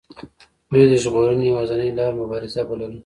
دوی د ژغورنې یوازینۍ لار مبارزه بلله.